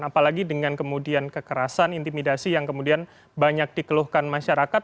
apalagi dengan kemudian kekerasan intimidasi yang kemudian banyak dikeluhkan masyarakat